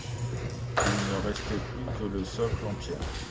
Il ne restait plus que le socle en pierre.